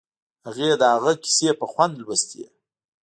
هغې د هغه کیسې په خوند لوستې